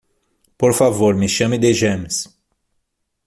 Por favor, me chame de James.